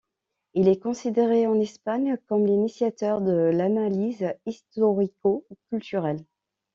Il est considéré en Espagne comme l'initiateur de l'analyse historico-culturelle.